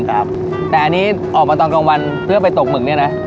แต่อันนี้ออกมาตอนกลางวันเพื่อไปตกหมึกเนี่ยนะ